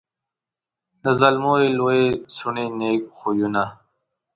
د زلمو یې لويي څوڼي نېک خویونه